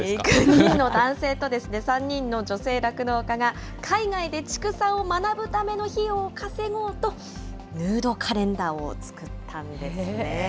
９人の男性と３人の女性酪農家が、海外で畜産を学ぶための費用を稼ごうと、ヌードカレンダーを作ったんですね。